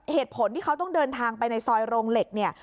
เหตุผลที่เขาต้องเดินทางไปในซอยโรงเหล็กเนี่ย